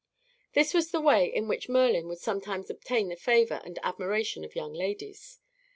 This was the way in which Merlin would sometimes obtain the favor and admiration of young ladies.